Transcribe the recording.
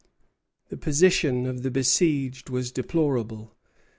The position of the besieged was deplorable.